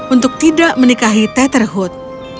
untuk tidak menikahi tetherhood